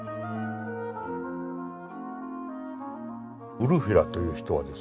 ウルフィラという人はですね